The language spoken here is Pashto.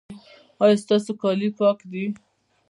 ایا ستاسو کالي پاک دي؟